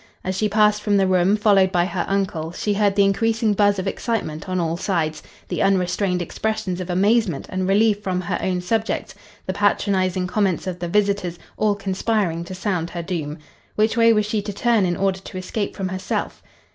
As she passed from the room, followed by her uncle, she heard the increasing buzz of excitement on all sides, the unrestrained expressions of amazement and relief from her own subjects, the patronizing comments of the visitors, all conspiring to sound her doom. Which way was she to turn in order to escape from herself?